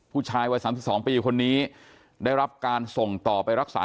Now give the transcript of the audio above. ผู้ชายวัย๓๒ปีคนนี้ได้รับการส่งต่อไปรักษา